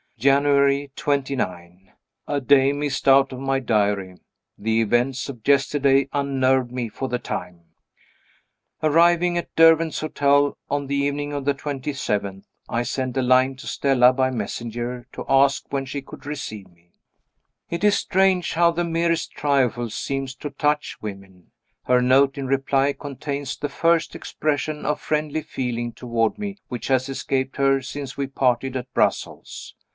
January 29. A day missed out of my Diary. The events of yesterday unnerved me for the time. Arriving at Derwent's Hotel on the evening of the 27th, I sent a line to Stella by messenger, to ask when she could receive me. It is strange how the merest trifles seem to touch women! Her note in reply contains the first expression of friendly feeling toward me which has escaped her since we parted at Brussels.